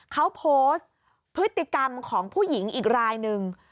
เขาโพสต์พฤติกรรมของผู้หญิงอีกรายหนึ่ง